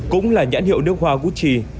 cũng là nhãn hiệu nước hoa gucci